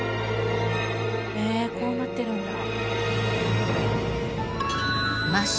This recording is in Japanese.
「へえこうなってるんだ」